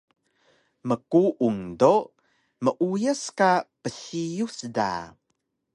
Mkuung do meuyas ka psiyus da